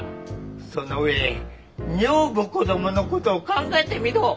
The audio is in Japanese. その上女房子どもの事を考えてみろ。